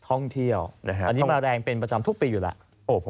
อันนี้มาแรงเป็นประจำทุกปีอยู่แล้ว